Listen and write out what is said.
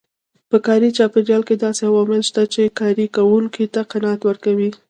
په کاري چاپېريال کې داسې عوامل شته چې کار کوونکو ته قناعت ورکوي.